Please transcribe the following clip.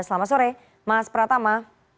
selamat sore mas pratama